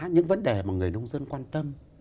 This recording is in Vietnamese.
những vấn đề mà người nông dân quan tâm